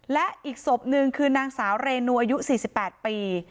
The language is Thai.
และอีกศพหนึ่งคือนางสาวเรนูอายุ๔๘ปี